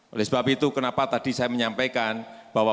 oleh sebab itu kenapa tadi saya menyampaikan bahwa